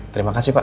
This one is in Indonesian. terima kasih pak